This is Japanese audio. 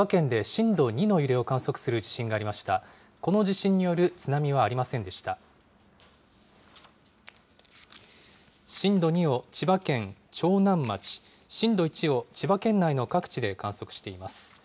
震度２を千葉県長南町、震度１を千葉県内の各地で観測しています。